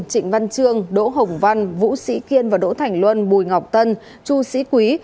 trịnh văn trương đỗ hồng văn vũ sĩ kiên và đỗ thành luân bùi ngọc tân chu sĩ quý